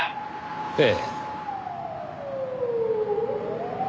ええ。